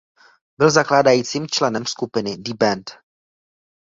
Byl zakládajícím členem skupiny The Band.